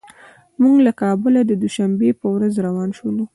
موږ له کابله د دوشنبې په ورځ روان شولو.